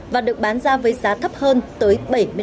và được bán ra với giá thấp hơn tới bảy mươi năm